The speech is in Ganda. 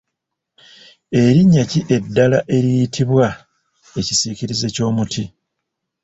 Erinnya ki eddala eriyitibwa ekisiikirize ky’omuti?